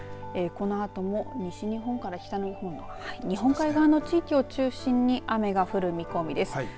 このあとも西日本から北日本日本海側の地域を中心に雨が降る見込みです。